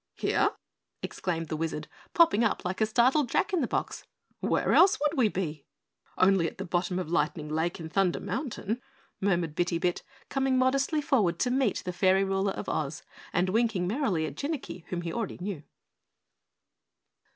"Here!" exclaimed the Wizard, popping up like a startled Jack in the Box, "where else would we be?" "Only at the bottom of Lightning Lake in Thunder Mountain," murmured Bitty Bit, coming modestly forward to meet the Fairy Ruler of Oz and winking merrily at Jinnicky, whom he already knew.